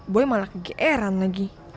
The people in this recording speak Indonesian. boy malah kegeeran lagi